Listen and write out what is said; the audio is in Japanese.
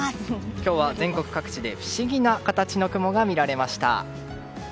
今日は、全国各地で不思議な形の雲が見られました。